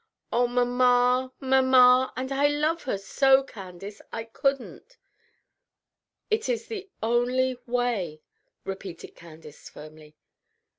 Oh, mamma, mamma! And I love her so! Candace, I couldn't." "It is the only way," repeated Candace, firmly.